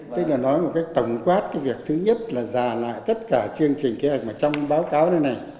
tức là nói một cách tổng quát cái việc thứ nhất là giả lại tất cả chương trình kế hoạch mà trong báo cáo này này